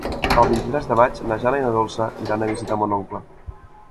El vint-i-tres de maig na Jana i na Dolça iran a visitar mon oncle.